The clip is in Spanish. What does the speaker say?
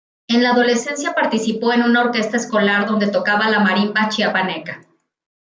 En la adolescencia participó en una orquesta escolar donde tocaba la marimba chiapaneca.